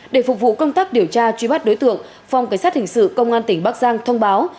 để phục vụ công tác điều tra truy bắt đối tượng phòng cảnh sát hình sự công an tỉnh bắc giang thông báo